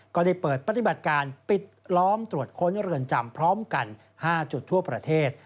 ก็ได้เปิดปฏิบัติการปิดล้อมตรวจค้นเรือนจำพร้อมกัน๕จุดทั่วประเทศ